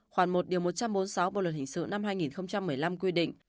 khoảng một điều một trăm bốn mươi sáu bộ luật hình sự năm hai nghìn một mươi năm quy định